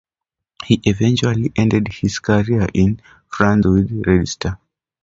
He Eventually ended his career in France with Red Star.